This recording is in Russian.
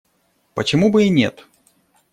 Почему бы и нет?